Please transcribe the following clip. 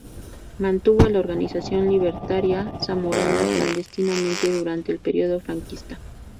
Mantuvo a la organización libertaria zamorana clandestinamente durante el periodo franquista.